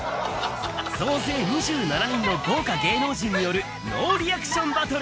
総勢２７人の豪華芸能人によるノーリアクションバトル。